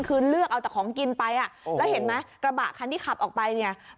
คือเลือกเอาแต่ของกินไปอ่ะแล้วเห็นไหมกระบะคันที่ขับออกไปเนี่ย